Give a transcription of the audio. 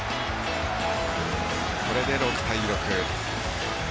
これで６対６。